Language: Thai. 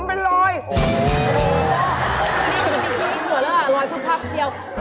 เผื่อแล้วรอยทุกพักเดียว